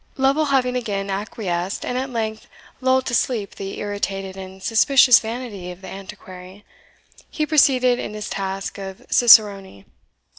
Lovel having again acquiesced, and at length lulled to sleep the irritated and suspicious vanity of the Antiquary, he proceeded in his task of cicerone.